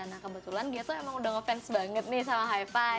nah kebetulan gia tuh emang udah ngefans banget nih sama hi fi